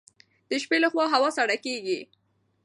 د شپې لخوا هوا سړه کیږي.